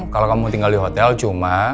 kalau kamu tinggal di hotel cuma